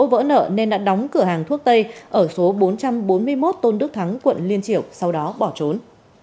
vỡ nợ nên đã đóng cửa hàng thuốc tây ở số bốn trăm bốn mươi một tôn đức thắng quận liên triểu sau đó bỏ trốn